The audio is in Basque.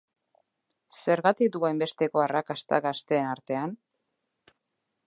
Zergatik du hainbesteko arrakasta gazteenen artean?